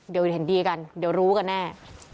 เดี๋ยวเห็นดีกันเดี๋ยวรู้กันแน่